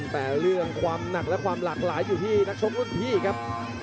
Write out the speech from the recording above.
แต่เรื่องความหนักและความหลากหลายอยู่ที่นักชกรุ่นพี่ครับ